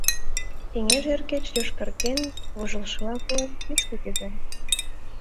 Кеҥеж эр кече йошкарген, вожылшыла койын, кӱшкӧ кӱзен.